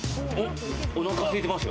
おなかすいてますよ。